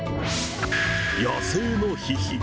野生のヒヒ。